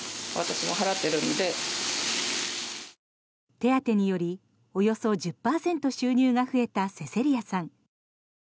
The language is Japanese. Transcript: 手当により、およそ１０％収入が増えたセセリアさん。